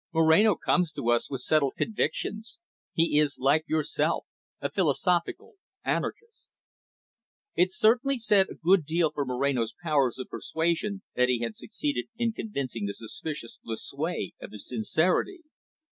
"Moreno comes to us with settled convictions. He is, like yourself, a philosophical anarchist." It certainly said a good deal for Moreno's powers of persuasion that he had succeeded in convincing the suspicious Lucue of his sincerity.